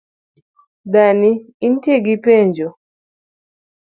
Dani, intie gi penjo?